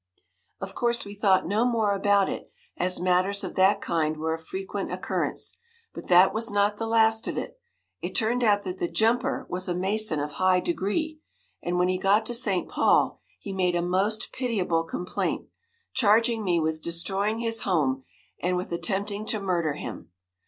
Of course, we thought no more about it, as matters of that kind were of frequent occurrence; but that was not the last of it. It turned out that the jumper was a Mason of high degree, and when he got to St. Paul he made a most pitiable complaint, charging me with destroying his home, and with attempting to murder him.